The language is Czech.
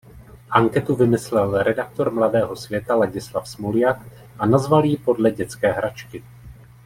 Anketu vymyslel redaktor Mladého světa Ladislav Smoljak a nazval ji podle dětské hračky.